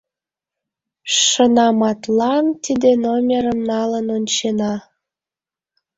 Шынаматлан, тиде номерым налын ончена.